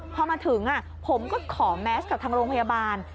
พอมาถึงผมก็ขอแมสกับทางโรงพยาบาล